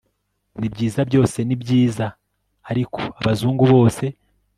nibyiza, byose ni byiza, ariko abazungu bose